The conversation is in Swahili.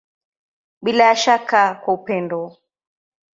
Bila ya shaka kwa upendo.